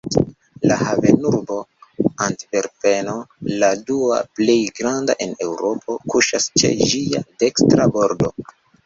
La havenurbo Antverpeno, la dua plej granda en Eŭropo, kuŝas ĉe ĝia dekstra bordo.